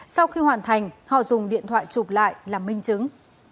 sau khi hoàn thành họ dùng điện thoại chụp lại là minh chứng